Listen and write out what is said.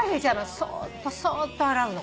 そーっとそーっと洗うの。